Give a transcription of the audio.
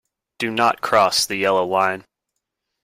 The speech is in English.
Do not cross the yellow line.